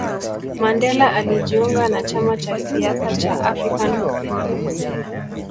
mandela alijiunga na chama cha siasa chaaAfrican kusini